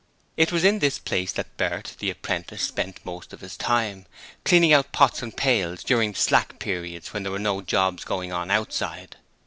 It was in this place that Bert the apprentice spent most of his time, cleaning out pots and pails, during slack periods when there were no jobs going on outside.